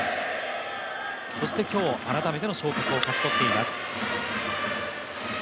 そして今日、改めての昇格を勝ち取っています。